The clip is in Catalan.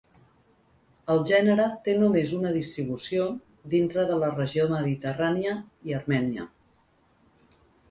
El gènere té només una distribució dintre de la regió mediterrània i Armènia.